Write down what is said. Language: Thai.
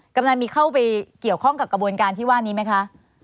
กำลังมีเข้าไปเกี่ยวข้องกับกระบวนการที่ว่านี้ไหมคะ